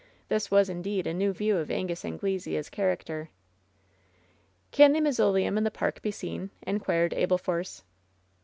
This was, indeed, a new view of Angus Anglesea's character. "Can the mausoleum in the park be seen ?" inquired Abel Force.